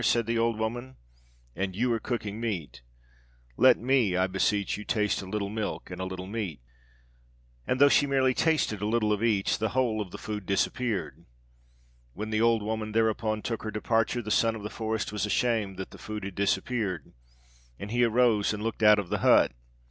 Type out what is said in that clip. said the old woman, 'and you are cooking meat; let me, I beseech you, taste a little milk and a little meat.' "And though she merely tasted a little of each, the whole of the food disappeared. When the old woman thereupon took her departure, the Son of the Forest was ashamed that the food had disappeared, and he arose and looked out of the hut.